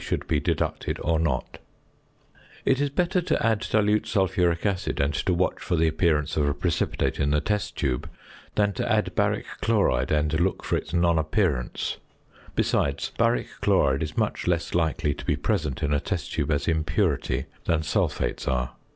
should be deducted or not. [Illustration: FIG. 66.] It is better to add dilute sulphuric acid, and to watch for the appearance of a precipitate in the test tube, than to add baric chloride and to look for its non appearance; besides, baric chloride is much less likely to be present in a test tube as impurity than sulphates are.